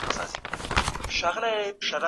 تر څو خوندي پاتې شي.